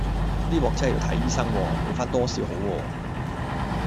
呢鑊真係要睇醫生喎，畀返多少好喎